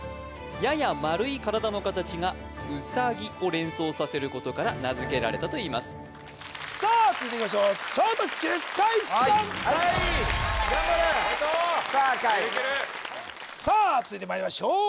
やや丸い体の形がウサギを連想させることから名付けられたといいますさあ続いていきましょう超特急カイさん・カイ頑張れさあカイさあ続いてまいりましょう